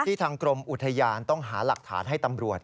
ทางกรมอุทยานต้องหาหลักฐานให้ตำรวจ